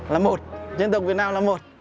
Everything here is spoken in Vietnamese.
là một nhân tộc việt nam là một